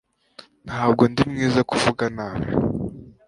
Ntabwo ndi mwiza kuvuga nabi.